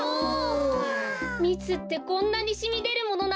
みつってこんなにしみでるものなんですね。